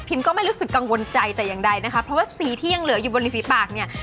ก็ไม่รู้สึกกังวลใจแต่อย่างใดนะคะเพราะว่าสีที่ยังเหลืออยู่บนริฝีปากเนี่ย